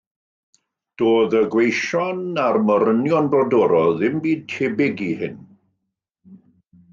Doedd y gweision a'r morynion brodorol ddim byd tebyg i hyn.